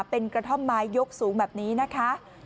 เป็นกระท่อมไม้ยกสูงแบบนี้นะคะ